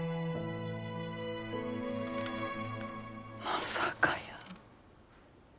まさかやー。